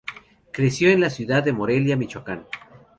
Creció en la ciudad de Morelia, Michoacán.